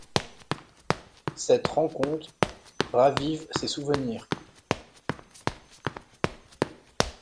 Cette rencontre ravive ses souvenirs.